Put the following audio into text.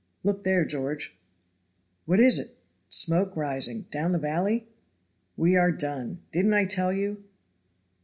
"Look there, George." "What is it? Smoke rising down the valley?" "We are done! Didn't I tell you?"